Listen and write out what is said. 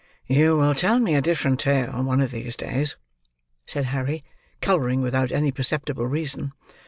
"You will tell me a different tale one of these days," said Harry, colouring without any perceptible reason.